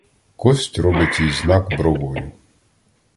Кость робить їй знак бровою.